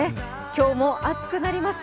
今日も暑くなります。